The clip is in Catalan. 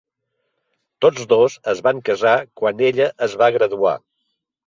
Tots dos es van casar quan ella es va graduar.